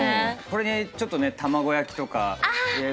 これにちょっとね卵焼きとか入れて。